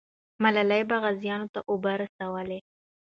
ملالۍ به غازیانو ته اوبه رسولې.